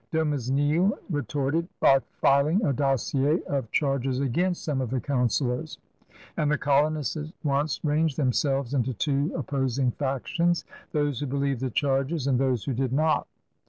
Dumesnil retorted by filing a dossier of charges against some of the councilors; and the colonists at once ranged themselves into two op posing factions — those who believed the charges and those who did not.